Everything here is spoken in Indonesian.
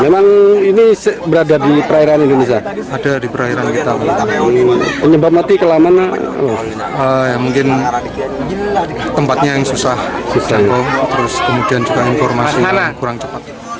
mungkin tempatnya yang susah dijangkau kemudian juga informasi yang kurang cepat